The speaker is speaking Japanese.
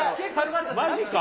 マジか。